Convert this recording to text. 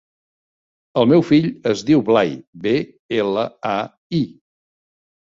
El meu fill es diu Blai: be, ela, a, i.